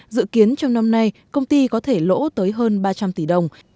dự kiến trong năm nay công ty có thể lỗ tới hơn ba trăm linh tỷ đồng